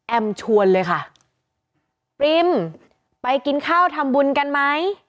ชวนเลยค่ะปริมไปกินข้าวทำบุญกันไหม